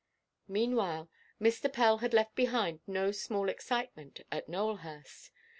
Meanwhile, Mr. Pell had left behind no small excitement at Nowelhurst.